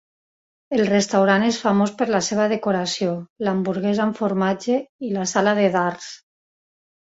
El restaurant és famós per la seva decoració, l'hamburguesa amb formatge i la sala de dards.